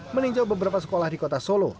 meninjau beberapa sekolah di kota solo